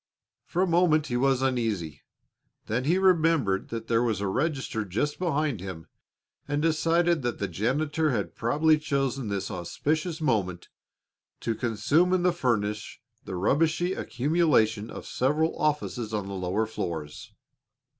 For a moment he was uneasy; then he remembered that there was a register just behind him, and decided that the janitor had probably chosen this auspicious moment to consume in the furnace the rubbishy accumulation of several offices on the lower floors.